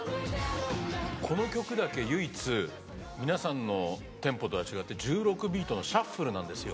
この曲だけ唯一皆さんのテンポとは違って１６ビートのシャッフルなんですよ。